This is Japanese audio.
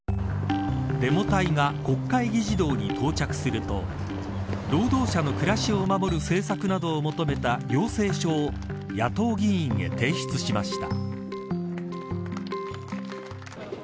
デモ隊が国会議事堂に到着すると労働者の暮らしを守る政策などを求めた要請書を野党議員へ提出しました。